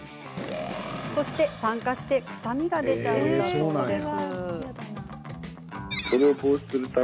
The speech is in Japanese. そして酸化して臭みが出ちゃうんだそうです。